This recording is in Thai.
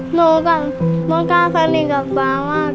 หนูกับโต๊ะก๊าสนิทกับป๊ามาก